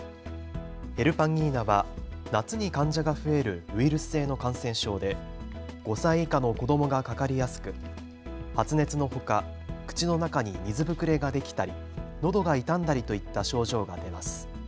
ヘルパンギーナは夏に患者が増えるウイルス性の感染症で５歳以下の子どもがかかりやすく発熱のほか口の中に水ぶくれができたりのどが痛んだりといった症状が出ます。